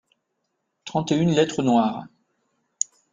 trente et une lettres noires.